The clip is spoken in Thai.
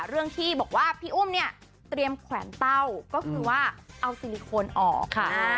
เรื่องที่บอกว่าพี่อุ้มเนี่ยเตรียมแขวนเต้าก็คือว่าเอาซิลิโคนออก